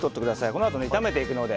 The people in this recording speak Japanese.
このあと炒めていくので。